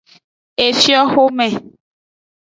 Efioxome.